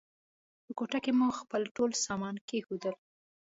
په کوټه کې مو خپل ټول سامان کېښود.